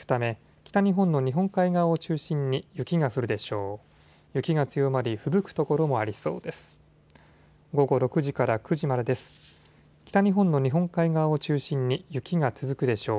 北日本の日本海側を中心に雪が続くでしょう。